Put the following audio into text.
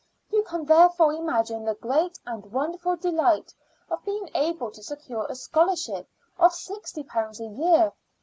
You can therefore imagine the great and wonderful delight of being able to secure a scholarship of sixty pounds a year.